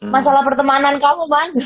masalah pertemanan kamu man